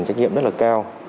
trách nhiệm rất là cao